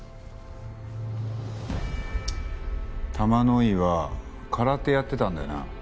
玉乃井は空手やってたんだよな？